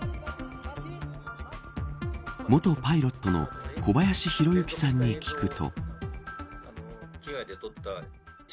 元パイロットの小林宏之さんに聞くと。